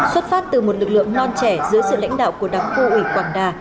xuất phát từ một lực lượng non trẻ dưới sự lãnh đạo của đảng khu ủy quảng đà